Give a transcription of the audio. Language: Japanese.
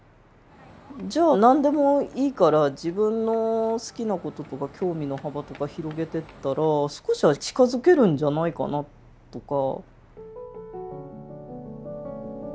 じゃあ何でもいいから自分の好きなこととか興味の幅とか広げてったら少しは近づけるんじゃないかなとか。